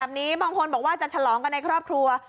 บางคนบอกว่าจะฉลองกันในครอบครัว